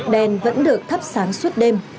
đèn vẫn được thắp sáng suốt đêm